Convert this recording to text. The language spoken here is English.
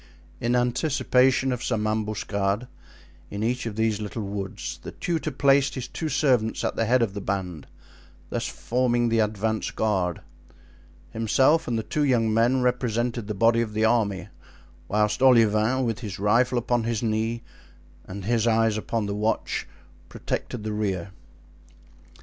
In anticipation of some ambuscade in each of these little woods the tutor placed his two servants at the head of the band, thus forming the advance guard. Himself and the two young men represented the body of the army, whilst Olivain, with his rifle upon his knee and his eyes upon the watch, protected the rear.